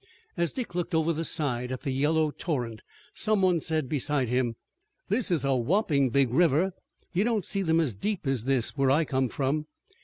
As Dick looked over the side at the yellow torrent some one said beside him: "This is a whopping big river. You don't see them as deep as this where I come from."